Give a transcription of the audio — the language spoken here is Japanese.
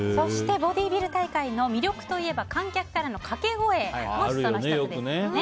ボディービル大会の魅力といえば観客からの掛け声もその１つですよね。